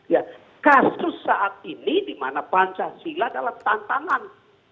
ya kasus saat ini di mana pancasila dalam tantangan